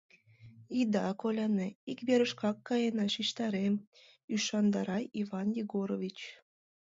«Ида коляне, ик верышкак каена, шижтарем», — ӱшандара Иван Егорович.